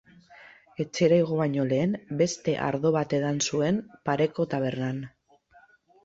Etxera igo baino lehen beste ardo bat edan zuen pareko tabernan.